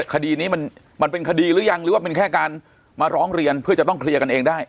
คดีนี้มันเป็นคดีหรือยังหรือว่าเป็นแค่การมาร้องเรียนเพื่อจะต้องเคลียร์กันเองได้